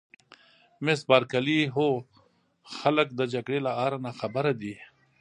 مس بارکلي: هو خلک د جګړې له آره ناخبره دي.